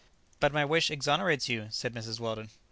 ] "But my wish exonerates you," said Mrs. Weldon.